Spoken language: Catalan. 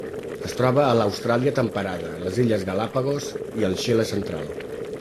Es troba a l'Austràlia temperada, les Illes Galápagos i el Xile central.